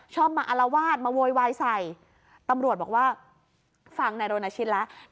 ชอบมาอารวาสมาโวยวายใส่ตำรวจบอกว่าฟังนายรณชิตแล้ว